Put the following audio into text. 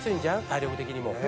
体力的にも。